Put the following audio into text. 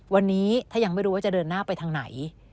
วันนี้ถ้ายังไม่รู้ว่าจะเดินหน้าไปทางไหน